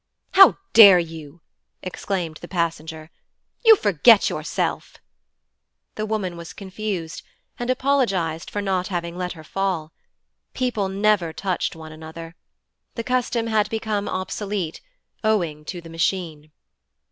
'How dare you!' exclaimed the passenger. 'You forget yourself!' The woman was confused, and apologized for not having let her fall. People never touched one another. The custom had become obsolete, owing to the Machine.